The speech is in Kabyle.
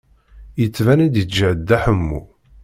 Yettban-d yeǧhed Dda Ḥemmu.